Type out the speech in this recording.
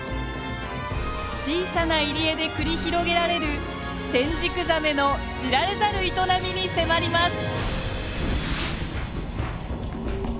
小さな入り江で繰り広げられるテンジクザメの知られざる営みに迫ります。